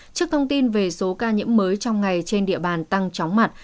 trước thông tin về số ca nhiễm mới trong ngày trên địa bàn tăng chóng mặt